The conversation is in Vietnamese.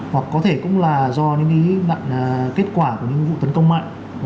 hoặc có thể cũng là do những kết quả của những vụ tấn công mạng